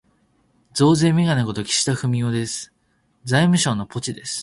増税めがね事、岸田文雄です。財務省のポチです。